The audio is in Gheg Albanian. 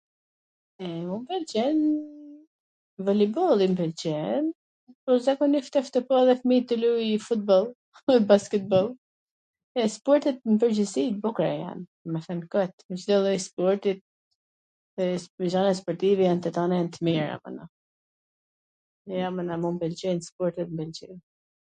m pwlqen..., volibolli m pwlqen, po zakonisht tash tu pa edhe fmijt tu luj futboll, basketboll, e sportet n pwrgjithsi t bukra jan, me thwn kwt, Cdo lloj sporti, gjanat sportive jan tw tana jan t mira, ja mana mu m pwlqejn, sportet m pwlqejn